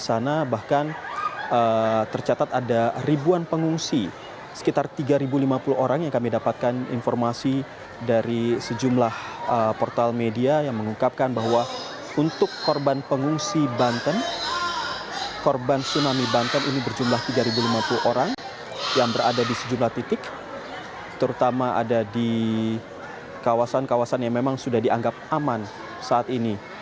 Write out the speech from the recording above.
dan tadi kami juga sempat mewawancari pihak palang merah indonesia kepala markas pmi banten yakni ibu embai bahriah yang mengatakan bahwa untuk saat ini mereka masih berkoordinasi dan akan langsung memberikan bantuan ke para pengungsian saat ini